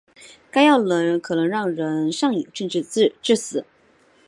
该药可能让人上瘾甚至致死。